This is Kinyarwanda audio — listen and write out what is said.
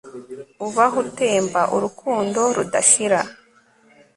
ubaho utemba, urukundo rudashira